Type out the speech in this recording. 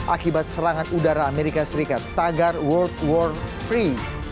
akibat serangan udara amerika serikat tagar world war free